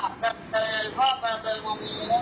พบกับยาแล้วไงครับ